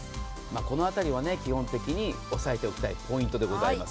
このあたりは基本的に押さえておきたいポイントでございます。